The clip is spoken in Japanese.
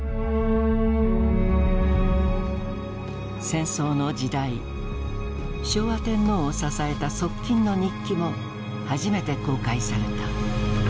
戦争の時代昭和天皇を支えた側近の日記も初めて公開された。